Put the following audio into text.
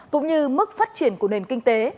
cũng như mức phát triển của nền kinh tế